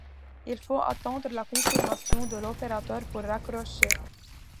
Il faut attendre la confirmation de l'opérateur pour raccrocher.